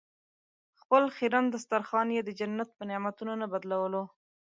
خپل خیرن دسترخوان یې د جنت په نعمتونو نه بدلولو.